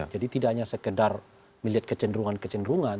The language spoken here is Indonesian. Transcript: jadi tidak hanya sekedar melihat kecenderungan kecenderungan